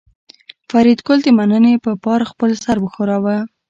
فریدګل د مننې په پار خپل سر وښوراوه